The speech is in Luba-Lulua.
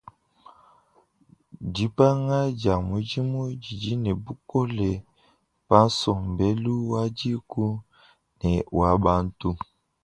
Dipanga dia mudimu didi ne bukole pa nsombelu wa dîku ne wa bantu.